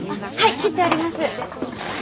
切ってあります。